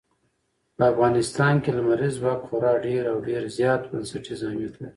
په افغانستان کې لمریز ځواک خورا ډېر او ډېر زیات بنسټیز اهمیت لري.